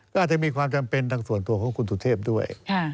ก็อาจจะมีความจำเป็นทางส่วนตัวของคุณสุเทพด้วย